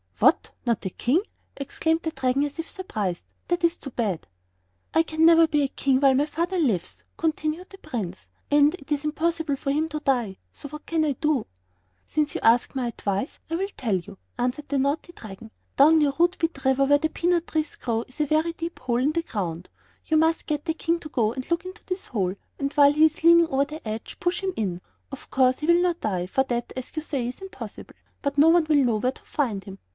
"What! not a king?" exclaimed the Dragon, as if surprised; "that is too bad." "I can never be a king while my father lives," continued the Prince, "and it is impossible for him to die. So what can I do?" "Since you ask my advice, I will tell you," answered the naughty Dragon. "Down near Rootbeer River, where the peanut trees grow, is a very deep hole in the ground. You must get the King to go and look into this hole, and while he is leaning over the edge, push him in. Of course, he will not die, for that, as you say, is impossible; but no one will know where to find him.